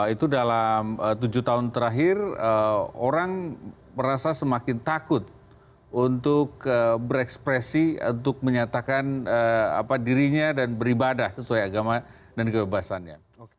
itu dalam tujuh tahun terakhir orang merasa semakin takut untuk berekspresi untuk menyatakan dirinya dan beribadah sesuai agama dan kebebasannya